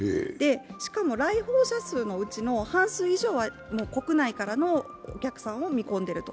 しかも来訪者数のうちの半数以上は国内からのお客さんを見込んでいると。